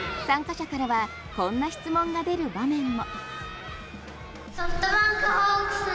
参加者からはこんな質問が出る場面も。